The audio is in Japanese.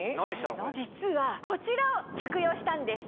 実はこちらを着用したんです。